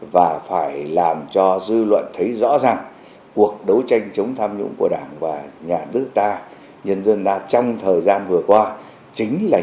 và thực sự đã trở thành phong trào của các cộng đồng tiêu cực